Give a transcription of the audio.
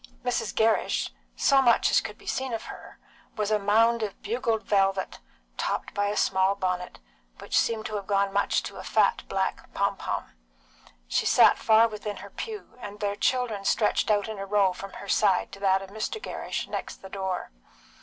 Mrs. Gerrish so much as could be seen of her was a mound of bugled velvet, topped by a small bonnet, which seemed to have gone much to a fat black pompon; she sat far within her pew, and their children stretched in a row from her side to that of Mr. Gerrish, next the door.